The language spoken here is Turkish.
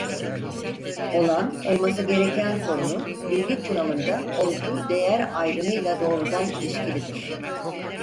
Olan-olması gereken sorunu bilgi kuramında olgu-değer ayrımıyla doğrudan ilişkilidir.